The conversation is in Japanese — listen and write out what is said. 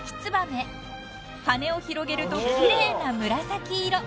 ［羽を広げると奇麗な紫色］